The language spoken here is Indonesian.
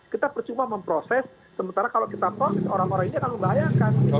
kita percuma memproses sementara kalau kita proses orang orang ini akan membahayakan